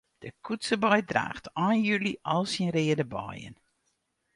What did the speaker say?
De koetsebei draacht ein july al syn reade beien.